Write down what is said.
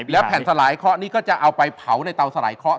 แล้วแผ่นสลายเคาะนี่ก็จะเอาไปเผาในเตาสลายเคาะ